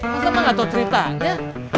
masa mak gak tau ceritanya